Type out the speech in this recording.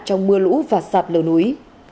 trong mưa lũ và sạp lửa núi